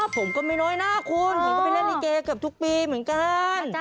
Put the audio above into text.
ผมก็ไม่น้อยหน้าคุณผมก็ไปเล่นลิเกเกือบทุกปีเหมือนกัน